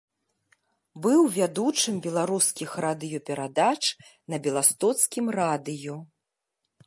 Быў вядучым беларускіх радыёперадач на беластоцкім радыё.